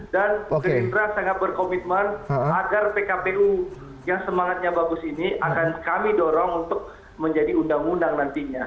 dan green drive sangat berkomitmen agar pkpu yang semangatnya bagus ini akan kami dorong untuk menjadi undang undang nantinya